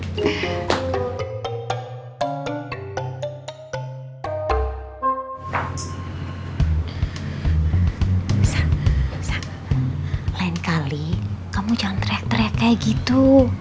elsa elsa lain kali kamu jangan teriak teriak kayak gitu